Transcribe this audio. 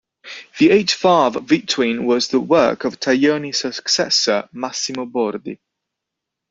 The eight-valve V-twin was the work of Taglioni's successor, Massimo Bordi.